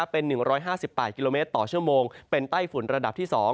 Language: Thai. เป็น๑๕๘กิโลเมตรต่อชั่วโมงเป็นไต้ฝุ่นระดับที่๒